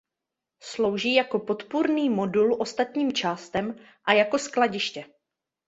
Slouží jako podpůrný modul ostatním částem a jako skladiště.